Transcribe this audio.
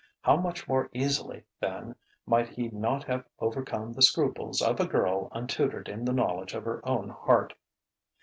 How much more easily, then, might he not have overcome the scruples of a girl untutored in the knowledge of her own heart....